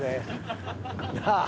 なあ？